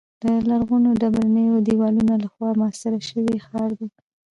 د لرغونو ډبرینو دیوالونو له خوا محاصره شوی ښار دی.